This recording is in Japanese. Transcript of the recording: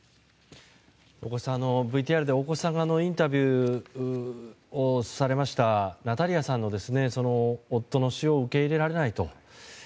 大越さんがＶＴＲでインタビューをされましたナタリアさんの夫の死を受け入れられないと。